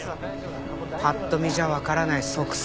パッと見じゃわからない足跡